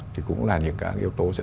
thì cũng là những các yếu tố sẽ